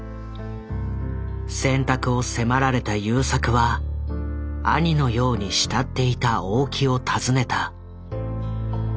選択を迫られた優作は兄のように慕っていた大木を訪ねた。